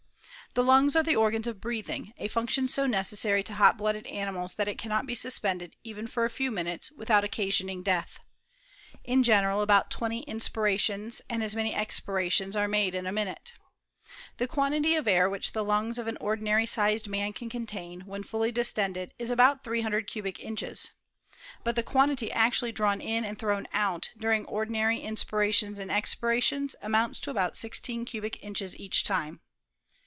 The lungs are the organs of breathingf a function so necessary to hot blooded animals, that it cannot be suspended, even for a few minutes, without oc casioning death. In general, about twenty inspira tions, and as many expirations, are made in a minute. The quantity of air which the lungs of an ordinary sized man can contain, when fully distended, is about 300 cubic inches. But the quantity actually drawn in and thrown out, during ordinary inspira^ tions and expirations, amounts to about sixteen cubic inches each time.